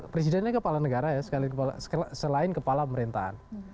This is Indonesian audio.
presidennya kepala negara ya selain kepala pemerintahan